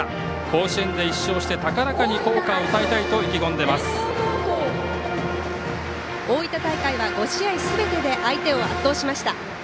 甲子園で１勝して高らかに校歌を歌いたいと大分大会は５試合すべてで相手を圧倒しました。